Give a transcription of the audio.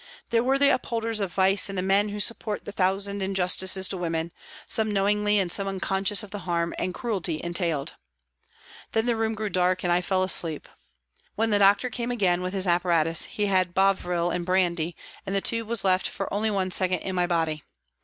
There were the upholders of vice and the men who support the thousand injustices to women, some knowingly and some unconscious of the harm and cruelty entailed. Then the room grew dark and I fell asleep. When the doctor came again with his apparatus he had bovril and brandy, and the tube was left for only one second in my body.